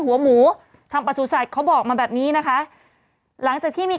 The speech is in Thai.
หัวหมูทางประสุทธิ์เขาบอกมาแบบนี้นะคะหลังจากที่มี